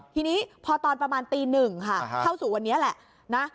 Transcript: ทีนี้พอตอนประมาณตี๑ค่ะเท่าสู่วันนี้แหละ